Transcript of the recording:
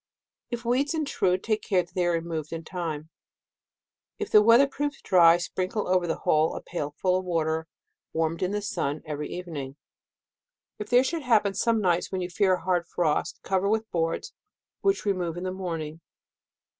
If weeds intrude, take care that they are removed in time. If the weather proves dry, sprinkle over the whole a pail full of water, warmed in the sun, every evening. If there should happen some nights when you fear a hard frost, cover with boards, which remove in the morning.